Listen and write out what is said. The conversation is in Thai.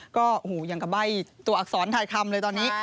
ก็อย่างกับใบ้ตัวอักษรถ่ายคำเลยตอนนี้